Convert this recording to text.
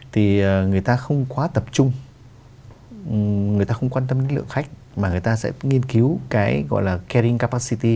thì người ta không quá tập trung người ta không quan tâm lượng khách mà người ta sẽ nghiên cứu cái gọi là carrying capacity